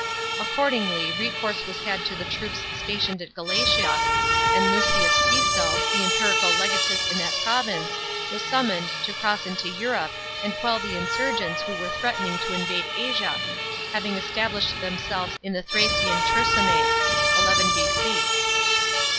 Accordingly recourse was had to the troops stationed in Galatia, and Lucius Piso, the imperial legatus in that province,:}: was summoned to cross into Europe and quell the insurgents who were threatening to invade Asia, having established themselves in theThracian Chersonese (11 B.C.).